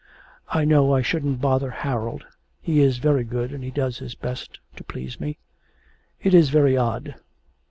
I know I shouldn't bother Harold; he is very good and he does his best to please me. It is very odd.